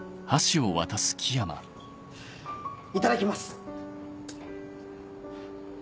いただきます！